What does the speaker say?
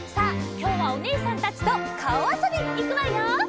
きょうはおねえさんたちとかおあそびいくわよ！